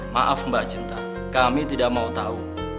maaf mbak cinta kami tidak mau tahu